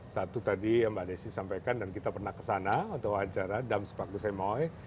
satu tadi mbak desy sampaikan dan kita pernah kesana untuk wawancara dam sepaku semoy